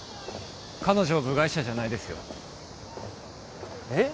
彼女は部外者じゃないですよえっ？